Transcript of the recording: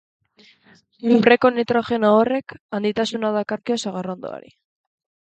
Lurreko nitrogeno horrek handitasuna dakarkio sagarrondoari.